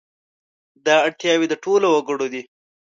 دا اړتیاوې د ټولو وګړو دي.